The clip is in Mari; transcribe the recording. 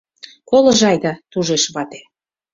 Колыжо айда! — тужеш вате.